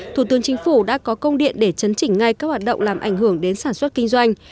thủ tướng chính phủ đã có công điện để chấn chỉnh ngay các hoạt động làm ảnh hưởng đến sản xuất kinh doanh